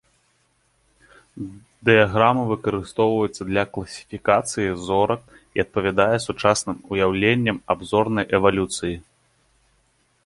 Дыяграма выкарыстоўваецца для класіфікацыі зорак і адпавядае сучасным уяўленням аб зорнай эвалюцыі.